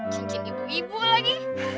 cincin ibu ibu lagi